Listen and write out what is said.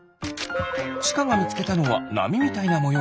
ちかがみつけたのはなみみたいなもよう。